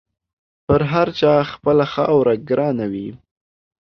پر هر چا خپله خاوره ګرانه وي.